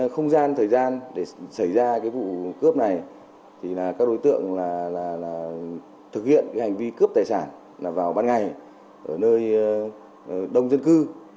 không gian thời gian để xảy ra vụ cướp này các đối tượng thực hiện hành vi cướp tài sản vào ban ngày ở nơi đông dân cư